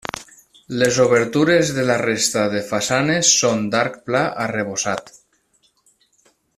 Les obertures de la resta de façanes són d'arc pla arrebossat.